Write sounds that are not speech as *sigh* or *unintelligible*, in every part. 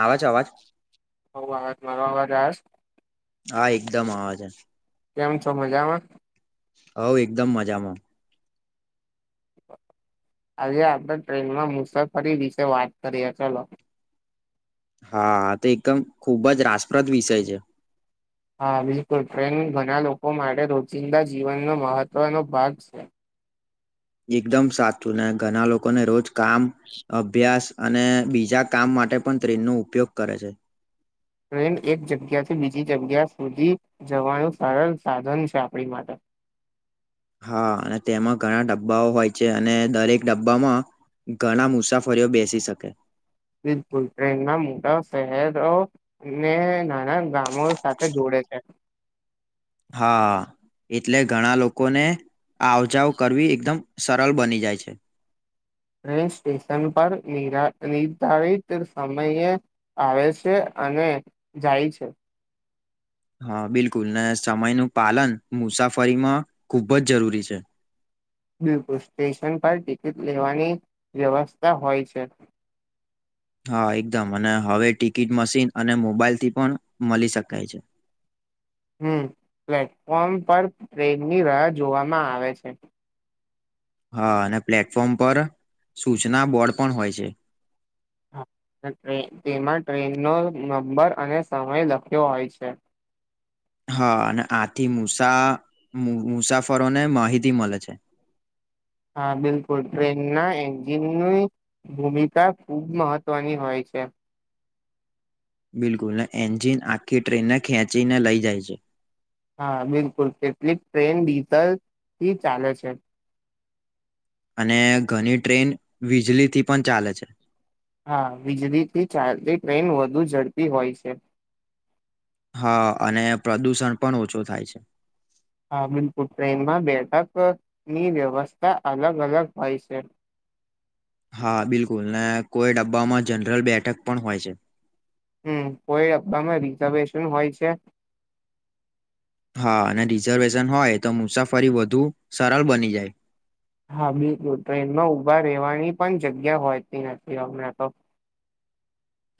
આવે છે અવાજ બઉ અવાજ મારો અવાજ આવે છે હા એકદમ અવાજ છે. કેમ છો મજામાં હો એકદમ મજામાં આજે આપડે ટ્રેનમાં મુસાફરી વિશે વાત કરીએ ચલો હા તો એકદમ ખૂબ જ રાસપ્રદ વિષય છે. હા બિલકુલ ટ્રેન ઘણા લોકો માટે રોજિંદા જીવનનો મહત્વનો ભાગ છે. એકદમ સાચું ને ઘણા લોકોને રોજ કામ અભ્યાસ અને બીજા કામ માટે પણ ટ્રેન ન ઉપયોગ કરે છે. ટ્રેન એક જગ્યાથી બીજી જગ્યા સુધી જવાનું સરળ સાધન છે આપણી માટે *inaudible* હા અને તેમાં ઘણા ડબ્બાઓ હોય છે અને દરેક ડબ્બામાં ઘણા મુસાફરીઓ બેસી શકે બિલકુલ ટ્રેન ના મોટા શહેરો ને નાના ગામો સાથે જોડાયેલા *inaudible* હા એટલે ઘણા લોકોને આ આવજાઓ કરવી એકદમ સરળ બની જાય છે ટ્રેન સ્ટેશન પર નિ નિર્ધારિત સમયે આવે છે અને જાય છે હા બિલકુલ ને સમયનું પાલન મુસાફરીમાં ખુબ જ જરૂરી છે *inaudible* બિલકુલ સ્ટેશન પર ટિકિટ લેવાની વ્યવસ્થા હોય છે હા એકદમ અને હવે ટિકિટ મશીન અને મોબાઈલ થી પણ મળી શકાય છે *inaudible* હમ પ્લેટફોર્મ પર ટ્રેનની રાહ જોવામાં આવે છે હા અને પ્લેટફોર્મ પર સૂચના બોર્ડ પણ હોય છે તેમાં ટ્રેન નો નંબર અને સમય લખ્યો હોય છે *inaudible* હા અને આથી મુસા મુસાફરોને માહિતી મળે છે *inaudible* હા બિલકુલ ટ્રેન ના એન્જિનની ભૂમિકા ખુબ મહત્વની હોય છે છે બિલકુલને એન્જિન આખી ટ્રેનને ખેંચીને લઈ જાય છે હા બિલકુલ કેટલીક ટ્રેન ડીઝલ થી ચાલે છે અને ઘણી ટ્રેન વીજળીથી પણ ચાલે છે હા વીજળીથી ચાલતી ટ્રેન વધુ ઝડપી હોય છે હા અને પ્રદુષણ પણ ઓછો થાય છે હા બિલકુલ ટ્રેનમાં બેઠક ની વ્યવસ્થા અલગ અલગ હોય છે *inaudible* હા બિલકુલ ને કોઈ ડબ્બામાં જનરલ બેઠક પણ હોય છે હમ કોઈ હ્માં રિઝર્વેશન હોય છે હા અને રિઝર્વેશન હોય તો મુસાફરી વધુ સરળ બની જાય હા બિલકુલ ટ્રેનમાં ઉઊભા રહેવાની પણ જગ્યા હોયતી નથી હમણાં તો *inaudible*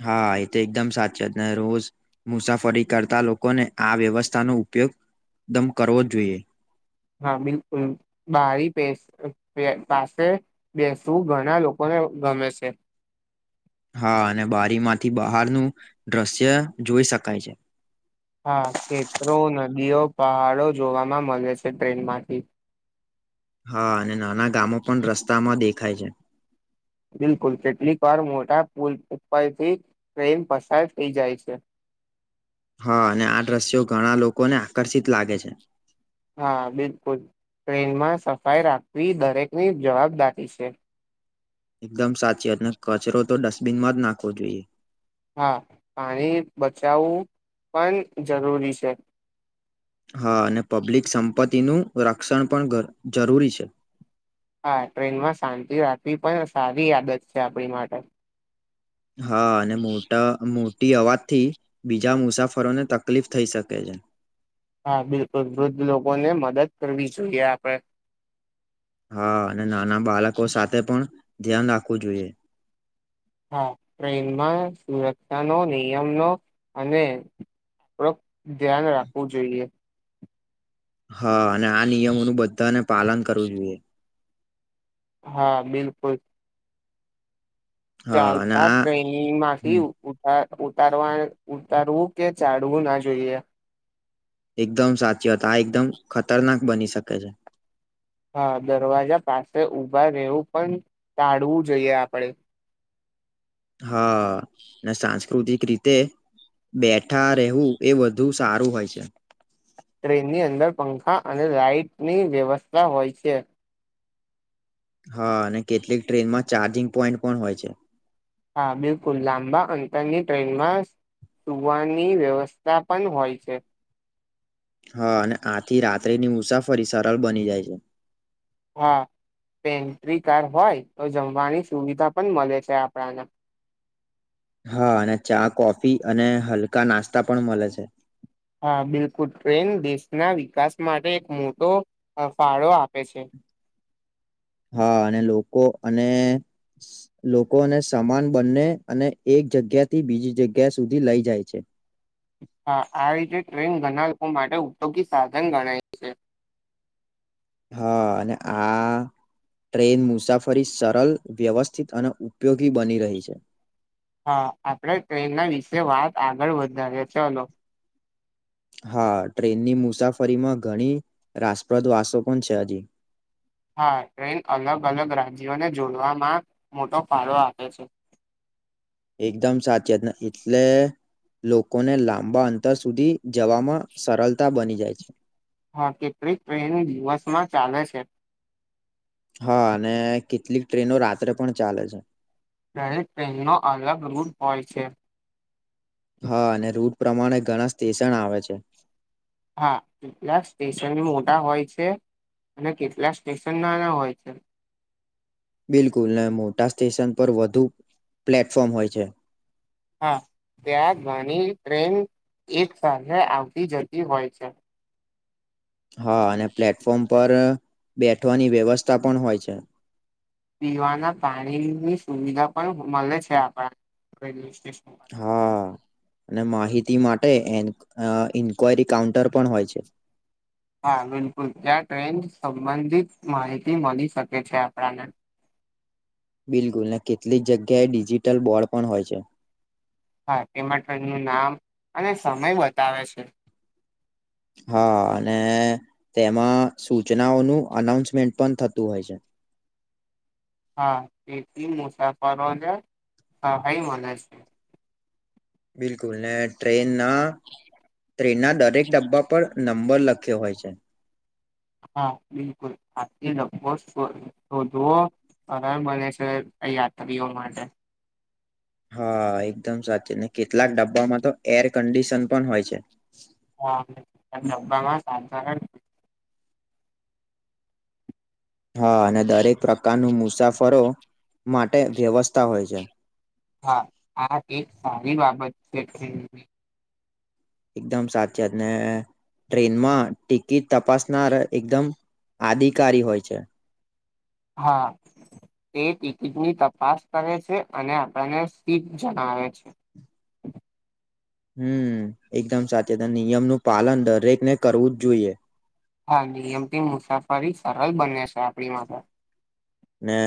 હા એ તો એકદમ સાચી જ રોજ મુસાફરી કરતા લોકોને આ વ્યવસ્થાનો ઉપયોગદમ કરવો જોઈએ હા બિલકુલ બારી પાસે બેસવું ઘણા લોકોને ગમે છે. હા અને બારીમાંથી બહારનું દ્રશ્ય જોઈ શકાય છે. હા ખેતરો, નદીઓ, પહાડો, જોવામાં મળે છે ટ્રેન માંથી હા અને નાના ગામો પણ રસ્તામાં દેખાય છે. બિલકુલ કેટલીક વાર મોટા પુલ ઉપરથી ટ્રેન પસાર થઈ જાય છે. *inaudible* હા અને આ દ્રશ્યો ઘણા લોકોને આકર્ષિત લાગે છે. હા બિલકુલ ટ્રેનમાં સફાઈ રાખવી દરેકની જવાબદારી છે. એકદમ સાચી અને કચરો તો ડસ્ટબિનમાં જ નાખવો જોઈએ. હા પાણી બચાવવું પણ જરૂરી છે. હા અને પબ્લિક સંપત્તિનું રક્ષણ પણ જરૂરી છે. હા ટ્રેનમાં શાંતિ રાખવી પણ સારી આદત છે આપણી માટે હા અને મોટા મો ટી અવાજથી બીજા મુસાફરોને તકલીફ થઈ શકે છે. હા બિલકુલ વૃદ્ધ લોકોને મદદ કરવી જોઈએ આપણે હા અને નાના બાળકો સાથે પણ ધ્યાન રાખવું જોઈએ. હા ટ્રેનમાં સુરક્ષાનો નિયમનો અને ડ *unintelligible* ધ્યાન રાખવું જોઈએ. હા અને આ નિયમોનું બધાને પાલન કરવું જોઈએ. હા બિલકુલ હા અને ચાલતા આ ટ્રેન માંથી હમ ઉઠા ઉતારવા ઉતારવું કે ચડવું ના જોઈએ. એકદમ સાચી હતા આ એકદમ ખતરનાક બની શકે છે. હા દરવાજા પાસે ઊભા રહેવું પણ ટાળવું જોઈએ આપડે *inaudible* હા ને સાંસ્કૃતિક રીતે બેઠા રહેવું એ વધુ સારું હોય છે. ટ્રેનની અંદર પંખા અને લાાઈટની વ્યવસ્થા હોય છે. હા અને કેટલીક ટ્રેનમાં ચાર્જિંગ પોઈન્ટ પણ હોય છે. હા બિલકુલ લાંબા અંતરની ટ્રેનમાં સુવાની વ્યવસ્થા પણ હોય છે. હા અને આથી રાત્રિની મુસાફરી સરળ બની જાય છે. હા પેન્ટ્રી કાર હોય તો જમવાની સુવિધા પણ મળે છે આપણાને હા અને ચા કોફી અને હલકા નાસ્તા પણ મળે છે. હા બિલકુલ ટ્રેન દેશના વિકાસ માટે એક મોટો ફાળો આપે છે‌. હા અને લોકો અને લોકોને સમાન બંને અને એક જગ્યાથી બીજી જગ્યા સુધી લઈ જાય છે. હા આવી રીતે ટ્રેન ઘણા લોકો માટે ઉપયોગી સાધન ગણાય છે. *inaudible* હા અને આ ટ્રેન મુસાફરી સરળ વ્યવસ્થિત અને ઉપયોગી બની રહી છે. હા આપણે ટ્રેનના વિશે વાત આગળ વધારીએ ચલો હા ટ્રેનની મુસાફરીમાં ઘણી રાસપ્રદ વાસો પણ છે હજી હા ટ્રેન અલગ અલગ રાજ્યોને જોડવામાં મોટો ફાળો આપે છે. એકદમ સાચી વાત ન એટલે લોકોને લાંબા અંતર સુધી જવામાં સરળતા બની જાય છે. હા કેટલીક ટ્રેન દિવસમાં ચાલે છે. હા અને કેટલીક ટ્રેનો રાત્રે પણ ચાલે છે. દરે ટનનો અલગ રૂપ હોય છે હા અને રૂટ પ્રમાણે ઘણા સ્ટેશન આવે છે હા એટલા સ્ટેશન મોટા હોય છે અને કેટલા સ્ટેશન નાના હોય છે બિલકુલ મોટા સ્ટેશન પર વધુ પ્લેટફોર્મ હોય છે હા ત્યાં ઘણી ટ્રેન એક સાથેે આવતી જતી હોય છે હા અને પ્લેટફોર્મ પર બેઠવાની વ્યવસ્થા પણ હોય છે પીવાના પાણીની સુવિધા પણ મળે છે આપણા રેલવે સ્ટેશન હા અને માહિતી માટે એ અ ઇન્ક્વાયરી કાઉન્ટર પણ હોય છે હા બિલકુલ ત્યાં ટ્રેન સંબંધિત માહિતી મળી શકે છે આપણાને બિલકુલ ને કેટલીક જગ્યાએ ડિજિટલ બોર્ડ પણ હોય છે હા તેમાં ટ્રેનનું નામ અને સમય બતાવે છે. હા અને તેમાં સૂચનાઓનું. અનાઉન્સમેન્ટ પણ થતું હોય છે. હા તેથી મુસાફરોને સહાય મલે છે. બિલકુલ ને ટ્રેનના ટ્રેનના દરેક ડબ્બા પર. નંબર લખ્યો હોય છે. હા બિલકુલ *unintelligible* *unintelligible* શોધવો. અને મલે છે યાત્રીઓ માટે. હા એકદમ સાચી ને કેટલાક ડબ્બામાં તો એર કન્ડિશન પણ હોય છે. હા ડબ્બામાં સાધારણ હા અને દરેક પ્રકારનું મુસાફરો માટે વ્યવસ્થા હોય છે. હા આ એક સારી બાબત છે ટ્રેનની. એકદમ સાચીઆત ને ટ્રેનમાં ટિકિટ તપાસનાર એકદમ. અધિકારી હોય છે. હા. તે ટિકિટની તપાસ કરે છે અને આપણને સીટ જણાવે છે. *inaudible* *inaudible* હમ એકદમ સાચીત નિયમનું પાલન દરેકને કરવું જ જોઈએ. હા નિયમ થી મુસાફરી સરળ બને છે આપણી માટે. ને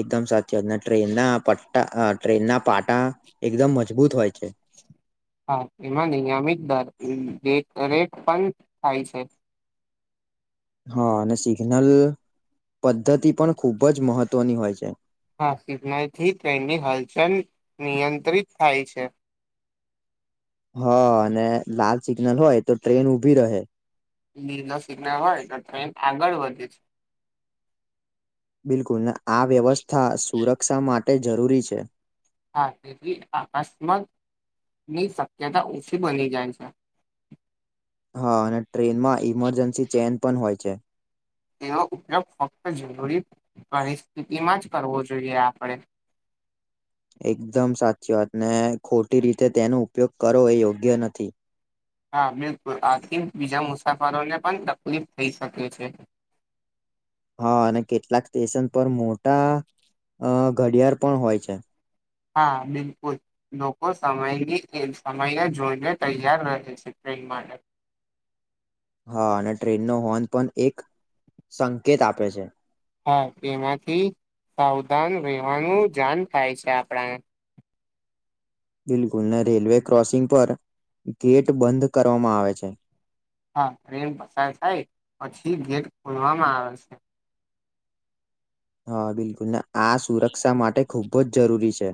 એકદમ સાચીઆત ને ટ્રેનના પટ્ટા અ ટ્રેનના પાટા એકદમ મજબૂત હોય છે. *inaudible* *inaudible* હા એમાં નિયમિત દર અમ રેટ પણ થાય છે. હા અને સિગ્નલ પદ્ધતિ પણ ખૂબ જ મહત્વની હોય છે. હા સિગનલથી ટ્રેનની હલચલ નિયંત્રિત થાય છે. *inaudible* *inaudible* હા અને લાલ સિગ્નલ હોય તો ટ્રેન ઉભી રહે. લીલા સિગ્નલ હોય તો ટ્રેન આગળ વધે છે. બિલકુલ ને આ વ્યવસ્થા સુરક્ષા માટે જરૂરી છે. હા તેથી અકસ્માત ની શક્યતા ઓછી બની જાય છે. હા અને ટ્રેનમાં ઈમરજન્સી ચેન પણ હોય છે. તેવો ઉપયોગ ફક્ત જરૂરી પરિસ્થિતિમાં જ કરવો જોઈએ આપણે. *inaudible* *inaudible* એકદમ સાચી વાતને ખોટી રીતે તેનો ઉપયોગ કરો એ યોગ્ય નથી. હા બિલકુલ આથી બીજા મુસાફરોને પણ તકલીફ થઈ શકે છે. *inaudible* *inaudible* હા અને કેટલાક સ્ટેશન પર મોટા અ ઘડિયાળ પણ હોય છે. હા. બિલકુલ. લોકો સમયની જેમ, સમયને જોઈને તૈયાર રહે છે. માને. હા અને ટ્રેનનો હોર્ન પણ એક સંકેત આપે છે. હા, તેમાંથી સાવધાન રહેેવાનું જાન થાય છે આપણે. બિલકુલ, ને રેલવે ક્રોસિંગ પર ગેટ બંધ કરવામાં આવે છે. હા, ટ્રેન પસાર થાય પછી ગેટ ખોલવામાં આવે છે. હા, બિલકુલ. ને આ સુરક્સા માટે ખૂબ જ જરૂરી છે.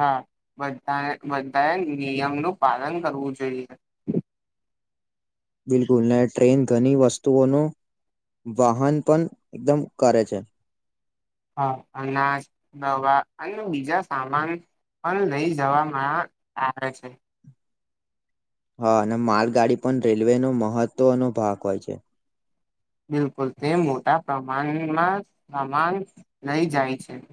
હા બધાએ, બધાએ નિયમનું પાલન કરવું જોઈએ. બિલકુલ ને ટ્રેન ઘની વસ્તુઓનું વહન પણ એકદમ કરે છે. હા, અનાજ, દવા અને બીજા સામાન પણ લઈ જવામાં આવે છે. હા અને માલગાડી પણ રેલવેનો મહત્વનો ભાગ હોય છે. બિલકુલ, તે મોટા પ્રમાણમાં સામાન લઈ જાય છે. *inaudible*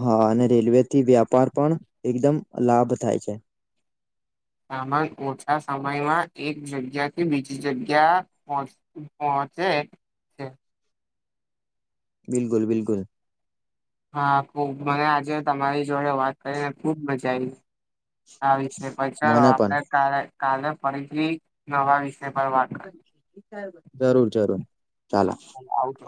હા, અને રેલ્વેથી વ્યાપાર પણ એકદમ લાભ થાય છે. સામાન ઓછા સમયમાં એક જગ્યાથી બીજી જગ્યા પોચ પો ચે છે. બિલકુલ બિલકુલ. હા, ખૂબ મને આજે તમારી જોડે વાત કરીને ખૂબ મજા આયવી, આવી. ને પછ ચાલો મને પણ આપડે કાલે કાલે ફરીથી નવા વિ *unintelligible* જરૂર જરૂર, ચાલો. આવજો